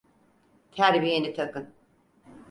Terbiyeni takın.